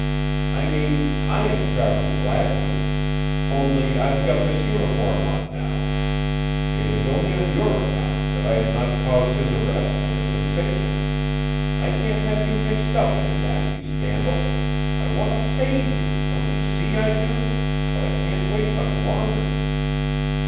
I mean I am Travers Gladwin only I've got this uniform on now. It is only on your account that I have not caused his arrest and a sensation. I can't have you mixed up in a nasty scandal. I want to save you don't you see I do? but I can't wait much longer."